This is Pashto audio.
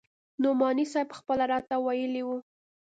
نعماني صاحب پخپله راته ويلي وو.